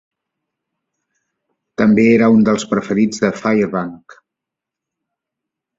També era un dels preferits de Fairbank.